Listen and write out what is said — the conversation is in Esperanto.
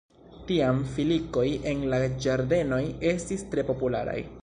Tiam filikoj en la ĝardenoj estis tre popularaj.